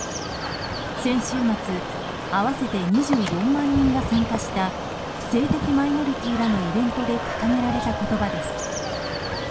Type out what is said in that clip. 先週末合わせて２４万人が参加した性的マイノリティーらのイベントで掲げられた言葉です。